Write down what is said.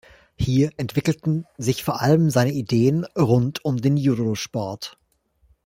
Hier entwickelten sich vor allem seine Ideen rund um den Judosport.